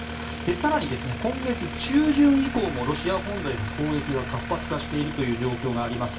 更に、今月中旬以降もロシア本土への攻撃が活発化している状況があります。